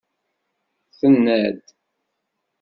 Tenna-d.